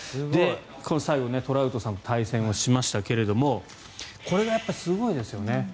この最後トラウトさんと対戦しましたがこれがやっぱりすごいですよね。